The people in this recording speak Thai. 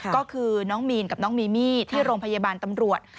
ก็คือน้องมีนกับน้องมีมี่ที่โรงพยาบาลตำรวจ